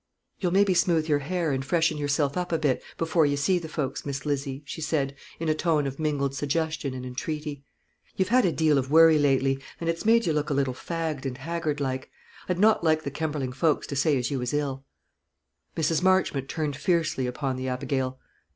"You'll maybe smooth your hair, and freshen yourself up a bit, before ye see the folks, Miss Livy," she said, in a tone of mingled suggestion and entreaty. "Ye've had a deal of worry lately, and it's made ye look a little fagged and haggard like. I'd not like the Kemberling folks to say as you was ill." Mrs. Marchmont turned fiercely upon the Abigail.